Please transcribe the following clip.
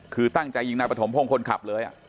คือตั้งใจยิงนายปฐมพงศ์คนขับเลย